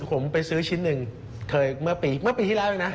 ผมเคยไปซื้อชิ้นหนึ่งเมื่อปีที่แล้วด้วยนะ